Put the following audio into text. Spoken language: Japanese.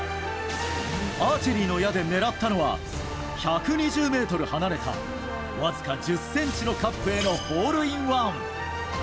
アーチェリーの矢で狙ったのは１２０ｍ離れたわずか１０ｃｍのカップへのホールインワン。